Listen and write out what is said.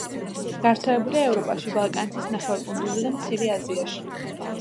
გავრცელებულია ევროპაში, ბალკანეთის ნახევარკუნძულზე და მცირე აზიაში.